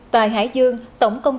tại hải dương